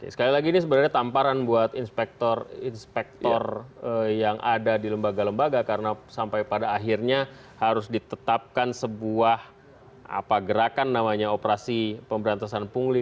sekali lagi ini sebenarnya tamparan buat inspektor inspektor yang ada di lembaga lembaga karena sampai pada akhirnya harus ditetapkan sebuah gerakan namanya operasi pemberantasan pungli